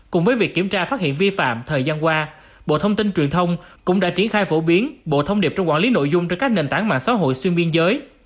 cùng với việc kiểm tra phát hiện vi phạm thời gian qua bộ thông tin truyền thông cũng đã triển khai phổ biến bộ thông điệp trong quản lý nội dung trên các nền tảng mạng xã hội xuyên biên giới